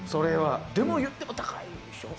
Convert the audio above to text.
でも、言っても高いでしょ？